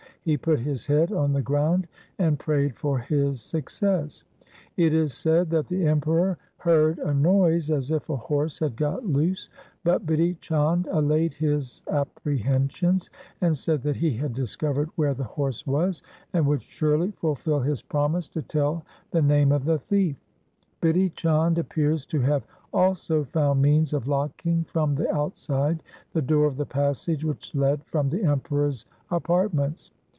He put his head on the ground and prayed for his success. It is said that the Emperor heard a noise as if a horse had got loose, but Bidhi Chand allayed his apprehensions, and said that he had discovered where the horse was, and would surely fulfil his promise LIFE OF GURU HAR GOBIND 177 to tell the name of the thief. Bidhi Chand appears to have also found means of locking from the outside the door of the passage which led from the Emperor's apartments.